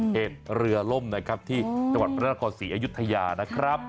เหตุเรือล้มที่จังหวัดพระนาคมศรีอยุธยานะครับ